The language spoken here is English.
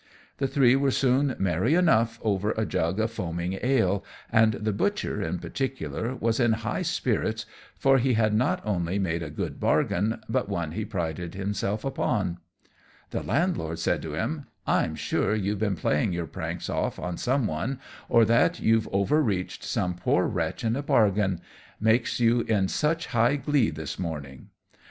The three were soon merry enough over a jug of foaming ale; and the butcher, in particular, was in high spirits, for he had not only made a good bargain, but one he prided himself upon. The Landlord said to him, "I'm sure you've been playing your pranks off on some one, or that you've overreached some poor wretch in a bargain, makes you in such high glee this morning."